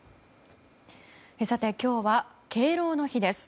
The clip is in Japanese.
さて、今日は敬老の日です。